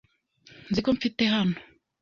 Nzi ko mfite hano.